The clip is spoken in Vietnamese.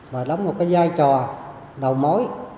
và đóng một giai trò đầu mối